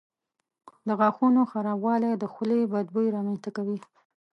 د غاښونو خرابوالی د خولې بد بوی رامنځته کوي.